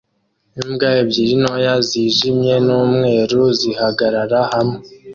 Imbwa ebyiri ntoya zijimye n'umweru zihagarara hamwe